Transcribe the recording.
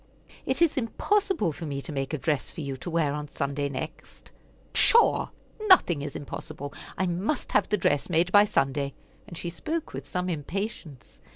It is impossible for me to make a dress for you to wear on Sunday next." "Pshaw! Nothing is impossible. I must have the dress made by Sunday;" and she spoke with some impatience.